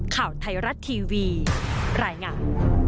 ข่าวไทยรัฐทีวีรายงาน